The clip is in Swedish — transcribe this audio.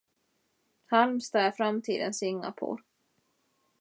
Halmstad är framtidens Singapore.